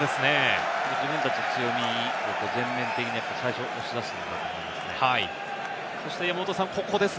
自分たちの強みを全面的に最初、押し出すと思いますね。